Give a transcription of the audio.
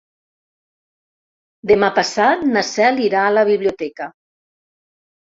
Demà passat na Cel irà a la biblioteca.